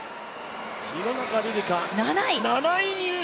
廣中璃梨佳、７位入賞！